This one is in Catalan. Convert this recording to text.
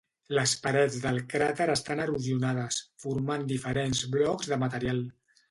Les parets del cràter estan erosionades, formant diferents blocs de material.